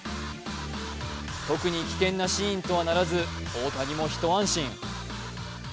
特に危険なシーンとはならず、大谷もひと安心。